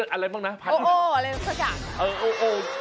โอโออะไรสักอย่าง